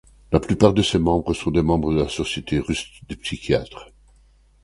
La plupart de ses membres sont des membres de la Société russe des psychiatres.